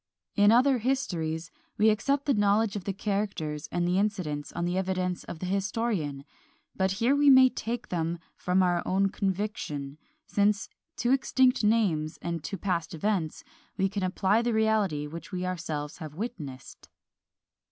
In other histories we accept the knowledge of the characters and the incidents on the evidence of the historian; but here we may take them from our own conviction, since to extinct names and to past events we can apply the reality which we ourselves have witnessed.